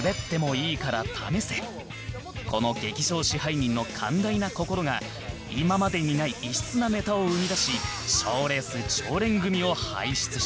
この劇場支配人の寛大な心が今までにない異質なネタを生み出し賞レース常連組を輩出した